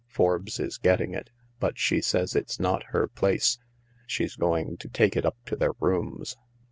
Forbes is getting it, but she says it's not her place. She's going to take it up to their rooms.